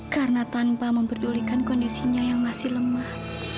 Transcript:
karena tanpa memperdulikan kondisinya yang masih lemah